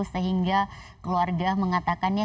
sehingga keluarga mengatakannya